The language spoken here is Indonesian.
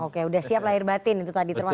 oke udah siap lahir batin itu tadi termasuk